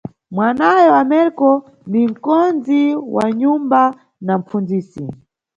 Mwanawo, Ameriko, ni nʼkondzi wa nyumba na mʼpfundzisi.